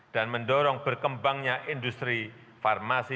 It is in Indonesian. dan mendorong berkembangnya industri farmasi